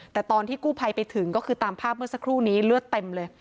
แต่ตอนที่กู้ภัยไปถึงก็คือตามภาพเมื่อสักครู่นี้เลือดเต็มเลย